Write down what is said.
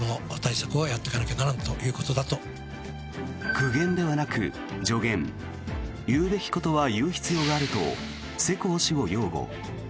苦言ではなく助言言うべきことは言う必要があると世耕氏を擁護。